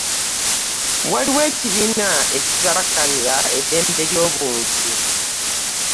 waliwo ekibiina ekitabakanira eddembe ly'obuntu.